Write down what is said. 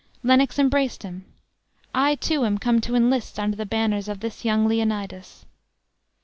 Lennox embraced him. "I, too, am come to enlist under the banners of this young Leonidas."